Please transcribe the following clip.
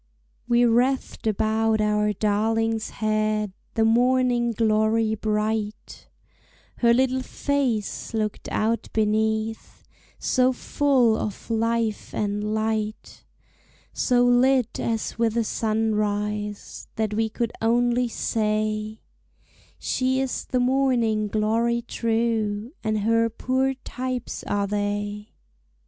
We wreathed about our darling's head The morning glory bright; Her little face looked out beneath So full of life and light, So lit as with a sunrise, That we could only say, "She is the morning glory true, And her poor types are they."